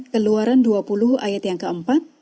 keluaran dua puluh ayat yang keempat